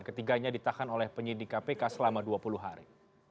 ketiganya ditahan oleh penyidik kpk selama dua puluh hari